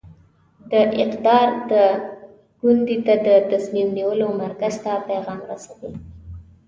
د اقدار د کونډې ته د تصمیم نیولو مرکز ته پیغام رسوي.